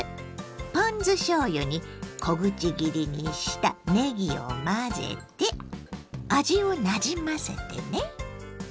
ポン酢しょうゆに小口切りにしたねぎを混ぜて味をなじませてね。